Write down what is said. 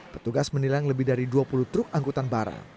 petugas menilang lebih dari dua puluh truk angkutan barang